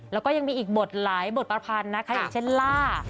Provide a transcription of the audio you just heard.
แล้วก็ยังมีอีกบทหลายบทประพันธ์นะคะอย่างเช่นล่า